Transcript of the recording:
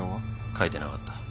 書いてなかった。